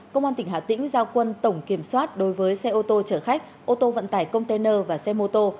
công an tỉnh hà tĩnh giao quân tổng kiểm soát đối với xe ô tô chở khách ô tô vận tải container và xe mô tô